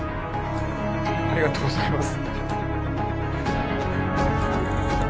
ありがとうございます